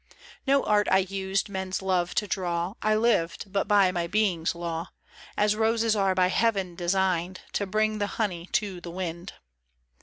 No art I used men's love to draw ; I lived but by my being's law, As roses are by heaven designed To bring the honey to the wind.